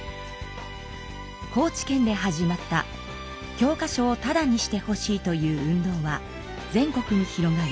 高知県で始まった教科書をタダにしてほしいという運動は全国に広がり